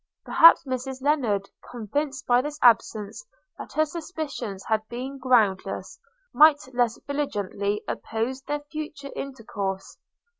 Perhaps Mrs Lennard, convinced by this absence that her suspicions had been groundless, might less vigilantly oppose their future intercourse.